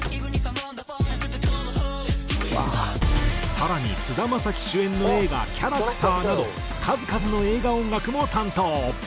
更に菅田将暉主演の映画『キャラクター』など数々の映画音楽も担当。